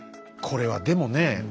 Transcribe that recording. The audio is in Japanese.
これはでもねえ